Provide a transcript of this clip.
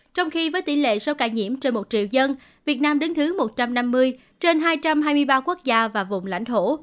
trong khi với tỷ lệ số ca nhiễm trên một triệu dân việt nam đứng thứ một trăm năm mươi trên hai trăm hai mươi ba quốc gia và vùng lãnh thổ